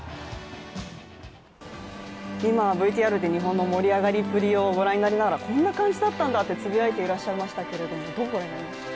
今、ＶＴＲで日本の盛り上がりっぷりをご覧になりながらこんな感じだったんだと、つぶやいていましたが、どうご覧になりましたか？